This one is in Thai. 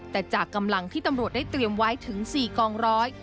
แต่จากกำลังที่ตำรวจได้เตรียมไว้ถึง๔กองร้อย